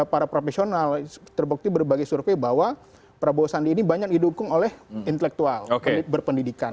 para profesional terbukti berbagai survei bahwa prabowo sandi ini banyak didukung oleh intelektual berpendidikan